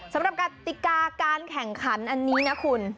สำหรับกติกาการแข่งขันอันนี้นะคุณ